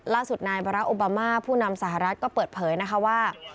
ล่าสุดนายบาราโอบามาผู้นำสหรัฐก็เปิดเผยนะคะว่า